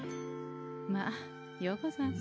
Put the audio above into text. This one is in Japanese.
まあようござんす。